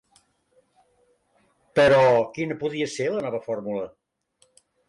Però, quina podia ser la nova fórmula?